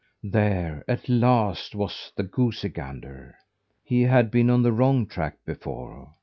There, at last, was the goosey gander! He had been on the wrong track before.